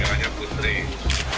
yang hanya putri